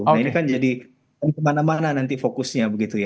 nah ini kan jadi kemana mana nanti fokusnya begitu ya